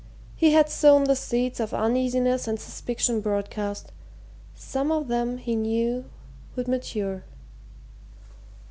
He had sown the seeds of uneasiness and suspicion broadcast some of them, he knew, would mature.